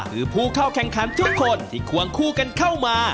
คือผู้เข้าแข่งขันทุกคนที่ควงคู่กันเข้ามา